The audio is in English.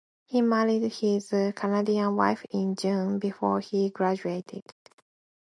He married his Canadian wife in June before he graduated.